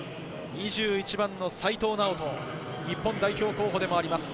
２１番の齋藤直人、日本代表候補でもあります。